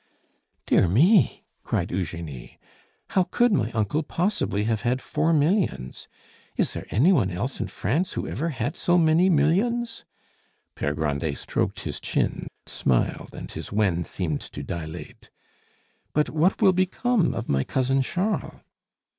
"Dear me!" cried Eugenie, "how could my uncle possibly have had four millions? Is there any one else in France who ever had so many millions?" Pere Grandet stroked his chin, smiled, and his wen seemed to dilate. "But what will become of my cousin Charles?"